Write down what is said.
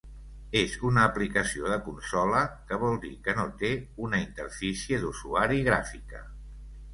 És una aplicació de consola, que vol dir que no té una interfície d'usuari gràfica.